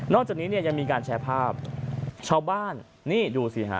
จากนี้เนี่ยยังมีการแชร์ภาพชาวบ้านนี่ดูสิฮะ